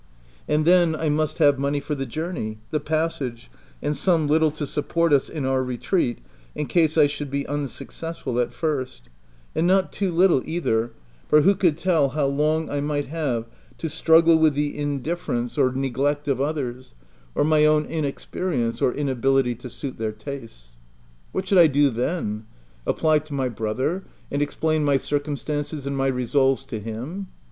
And then I must have money for the journey, the passage, and some little to support us in our retreat in case I should be unsuccessful at first ; and not too little either, for who could tell how long I might have to struggle with the indifference or 32 THE TENANT neglect of others, or my own inexperience, or inability to suit their tastes ? What should I do then? Apply to my brother, and explain my circumstances and my resolves to him